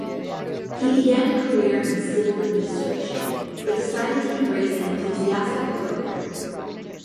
He began a career in civil administration, but decided to embrace an ecclesiastical career.